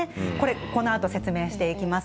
このあと説明していきます。